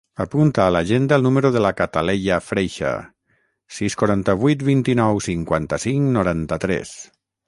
Apunta a l'agenda el número de la Cataleya Freixa: sis, quaranta-vuit, vint-i-nou, cinquanta-cinc, noranta-tres.